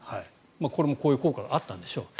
これもこういう効果があったんでしょう。